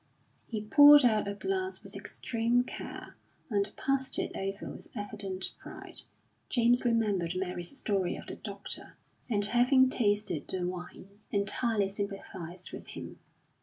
He poured out a glass with extreme care, and passed it over with evident pride. James remembered Mary's story of the doctor, and having tasted the wine, entirely sympathised with him.